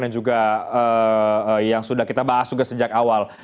dan juga yang sudah kita bahas juga sejak awal